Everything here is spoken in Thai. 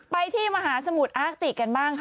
ไปที่มาหาสมุทรออะกติกันบ้าง